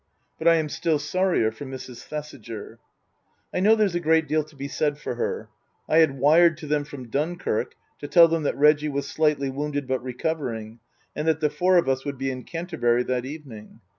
But I am still sorrier for Mrs. Thesiger. I know there's a great deal to be said for her. I had wired to them from Dunkirk to tell them that Reggie was slightly wounded but" recovering, and that the four of us would be in Canterbury that evening.